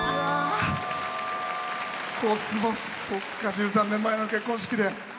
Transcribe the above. １３年前の結婚式で。